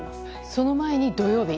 その前に土曜日！